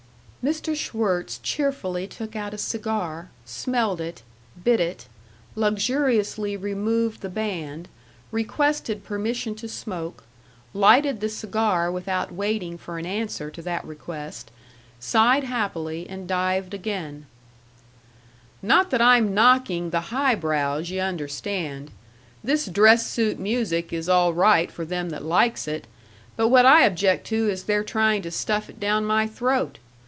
Mr. Schwirtz cheerfully took out a cigar, smelled it, bit it, luxuriously removed the band, requested permission to smoke, lighted the cigar without waiting for an answer to that request, sighed happily, and dived again: "Not that I'm knocking the high brows, y' understand. This dress suit music is all right for them that likes it. But what I object to is their trying to stuff it down my throat!